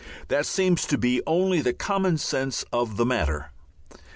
That seems to be only the common sense of the matter.